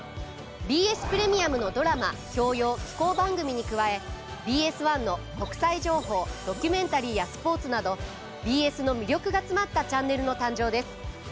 ＢＳプレミアムのドラマ教養紀行番組に加えＢＳ１の国際情報ドキュメンタリーやスポーツなどＢＳの魅力が詰まったチャンネルの誕生です。